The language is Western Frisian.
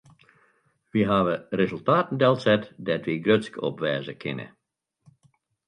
Wy hawwe resultaten delset dêr't wy grutsk op wêze kinne.